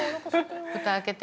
蓋開けて。